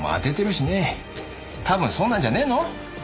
多分そうなんじゃねえの？